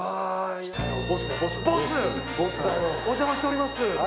お邪魔しております。